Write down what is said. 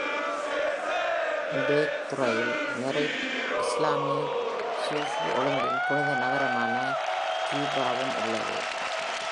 Mbacke துறையில் Murid இஸ்லாமிய சூஃபி ஒழுங்கின் புனித நகரமான Toubaவும் உள்ளது.